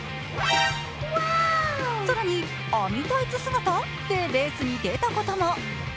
更に網タイツ姿でレースに出たことも。